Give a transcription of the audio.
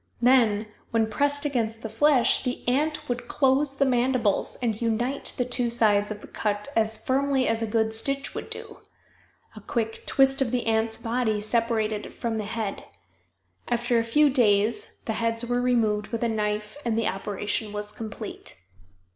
Then, when pressed against the flesh, the ant would close the mandibles and unite the two sides of the cut as firmly as a good stitch would do it. A quick twist of the ant's body separated it from the head. After a few days the heads were removed with a knife and the operation was complete.